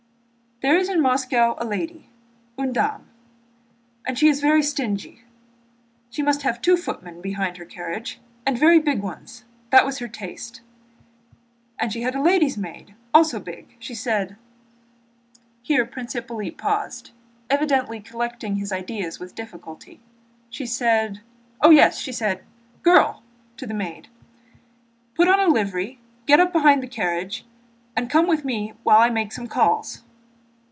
"There is in Moscow a lady, une dame, and she is very stingy. She must have two footmen behind her carriage, and very big ones. That was her taste. And she had a lady's maid, also big. She said...." Here Prince Hippolyte paused, evidently collecting his ideas with difficulty. "She said.... Oh yes! She said, 'Girl,' to the maid, 'put on a livery, get up behind the carriage, and come with me while I make some calls.